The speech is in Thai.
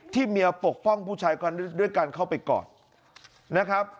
เมียปกป้องผู้ชายคนด้วยการเข้าไปกอดนะครับ